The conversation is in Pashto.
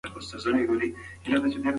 د ویکتوریا ایکانوي تجربه د واکسین اهمیت ښيي.